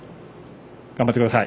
頑張ってください。